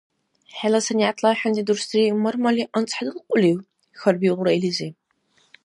— ХӀела санигӀятла ахӀенти дурсри мар-марли анцӀхӀедулкьулив? – хьарбиулра илизи.